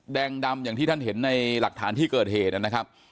แดงดำอย่างที่ท่านเห็นในหลักฐานที่เกิดเหตุนะครับ